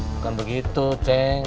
bukan begitu ceng